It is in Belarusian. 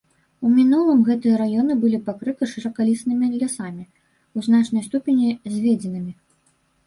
У мінулым гэтыя раёны былі пакрыты шыракалістымі лясамі, у значнай ступені зведзенымі.